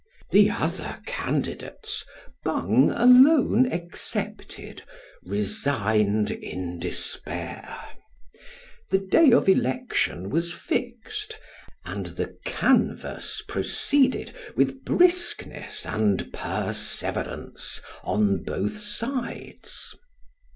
The other candidates, Bung alone excepted, resigned in despair. The day of election was fixed ; and the canvass proceeded with briskness and perseverance on both sides.